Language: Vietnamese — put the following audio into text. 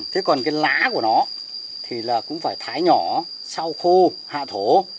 thế còn cái lá của nó thì là cũng phải thái nhỏ sao khô hạ thổ